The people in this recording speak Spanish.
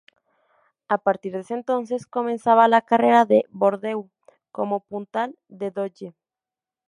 A partir de ese entonces, comenzaba la carrera de Bordeu como puntal de Dodge.